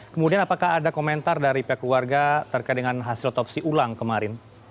kemudian apakah ada komentar dari pihak keluarga terkait dengan hasil otopsi ulang kemarin